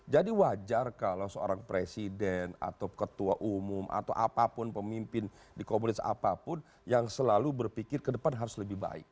jadi wajar kalau seorang presiden atau ketua umum atau apapun pemimpin di komunitas apapun yang selalu berpikir ke depan harus lebih baik